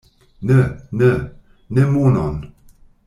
Ne, ne, ne monon!